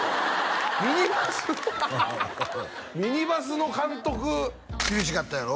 ミニバスハハハハミニバスの監督厳しかったやろ？